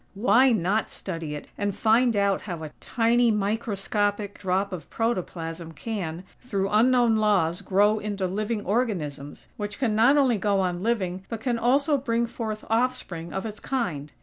Why not study it, and find out how a tiny, microscopic drop of protoplasm, can, through unknown laws grow into living organisms, which can not only go on living, but can also bring forth offspring of its kind?